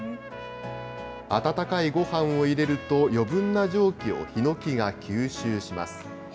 温かいごはんを入れると、余分な蒸気をヒノキが吸収します。